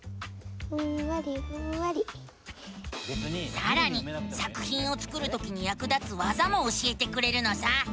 さらに作ひんを作るときにやく立つわざも教えてくれるのさ！